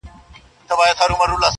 خدای راکړي تېزي سترگي غټ منگول دئ!!